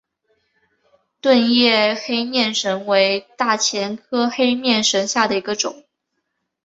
钝叶黑面神为大戟科黑面神属下的一个种。